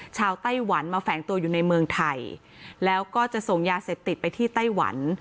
ไต้หวันมาแฝงตัวอยู่ในเมืองไทยแล้วก็จะส่งยาเสพติดไปที่ไต้หวัน